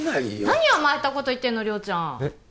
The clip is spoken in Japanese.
何甘えたこと言ってんの亮ちゃんえっ？